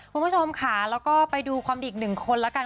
คุณผู้ชมค่ะแล้วก็ไปดูความดีอีกหนึ่งคนแล้วกัน